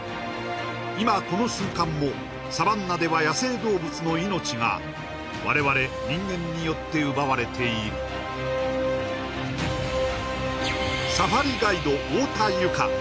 今この瞬間もサバンナでは野生動物の命が我々人間によって奪われているサファリガイド太田ゆか